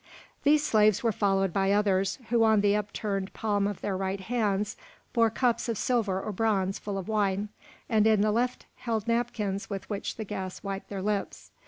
These slaves were followed by others, who on the upturned palm of their right hands bore cups of silver or bronze full of wine, and in the left held napkins with which the guests wiped their lips.